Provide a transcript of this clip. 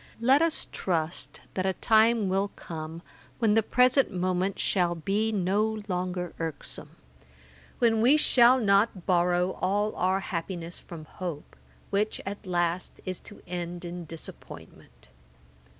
Let us trust that a time will come, when the present moment shall be no longer irksome; when we shall not borrow all our happiness from hope, which at last is to end in disappointment.